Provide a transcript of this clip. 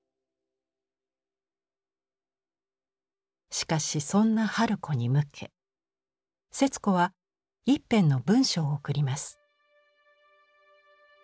しかしそんな春子に向け節子は一編の文章を贈ります。